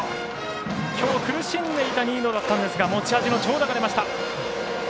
きょう、苦しんでいた新納だったんですが持ち味の長打が出ました。